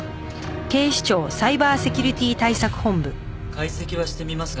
解析はしてみますがね